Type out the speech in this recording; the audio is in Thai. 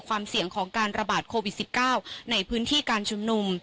ความเสี่ยงของการระบาดโควิด๑๙ในพื้นที่การชุมนุม